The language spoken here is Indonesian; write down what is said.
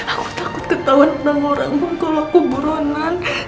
aku takut ketawa tentang orangmu kalau aku buronan